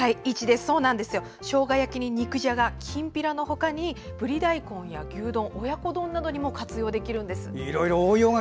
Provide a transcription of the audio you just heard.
しょうが焼きに肉じゃがきんぴらのほかにぶり大根や牛丼、親子丼などにも活用できるんです。